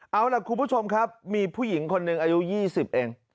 เอาล่ะคุณผู้ชมครับมีผู้หญิงคนหนึ่งอายุ๒๐เอง